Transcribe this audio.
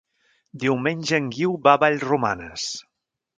Diumenge en Guiu va a Vallromanes.